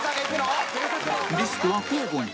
リスクは交互に